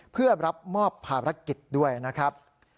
เพื่อรับมอบภารกิจด้วยนะครับ